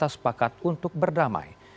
kata sepakat untuk berdamai